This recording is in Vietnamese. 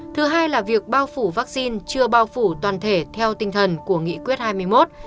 thứ hai là việc bao phủ vaccine chưa bao phủ toàn thể theo tinh thần của nghị quyết hai mươi một